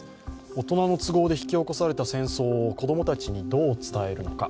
大人の都合で引き起こされた戦争を子供たちにどう伝えるのか。